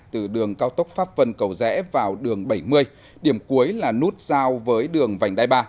từ đường cao tốc pháp vân cầu rẽ vào đường bảy mươi điểm cuối là nút giao với đường vành đai ba